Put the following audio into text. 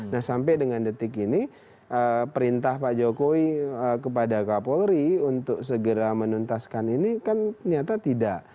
nah sampai dengan detik ini perintah pak jokowi kepada kapolri untuk segera menuntaskan ini kan nyata tidak